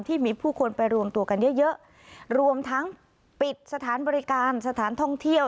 มีคนไปรวมตัวกันเยอะเยอะรวมทั้งปิดสถานบริการสถานท่องเที่ยว